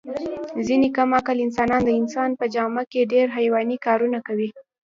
ځنې کم عقل انسانان د انسان په جامه کې ډېر حیواني کارونه کوي.